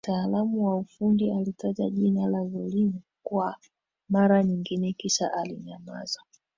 Mtaalamu wa ufundi alitaja jina la Zolin kwa mara nyingine kisha alinyamaza